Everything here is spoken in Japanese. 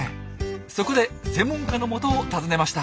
そこで専門家のもとを訪ねました。